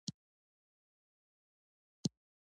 اقلیم د افغانستان د تکنالوژۍ پرمختګ سره تړاو لري.